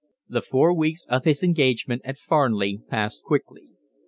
The four weeks of his engagement at Farnley passed quickly.